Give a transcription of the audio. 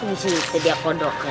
ini sih itu dia kodoknya